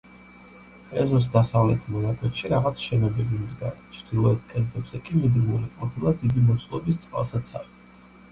ეზოს დასავლეთ მონაკვეთში რაღაც შენობები მდგარა, ჩრდილოეთ კედლებზე კი მიდგმული ყოფილა დიდი მოცულობის წყალსაცავი.